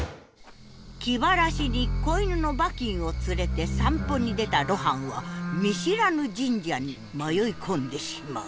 気晴らしに子犬のバキンを連れて散歩に出た露伴は見知らぬ神社に迷い込んでしまう。